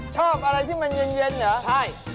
ชอบอะไรที่มันเย็นเหรอใช่